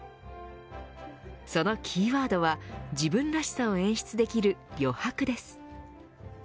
そのキーワードは自分らしさを演出できる余白です。